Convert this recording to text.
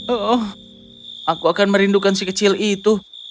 oh aku akan merindukan si kecil itu